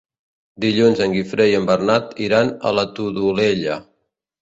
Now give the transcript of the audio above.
Dilluns en Guifré i en Bernat iran a la Todolella.